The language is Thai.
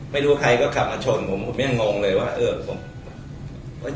ไม่รู้ว่าใครก็ขับมาชนผมยังงงเลยว่า